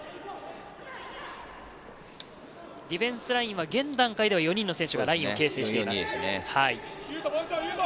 ディフェンスラインは現段階では４人の選手がラインを形成しています。